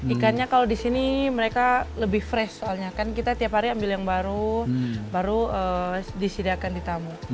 ikannya kalau di sini mereka lebih fresh soalnya kan kita tiap hari ambil yang baru baru disediakan di tamu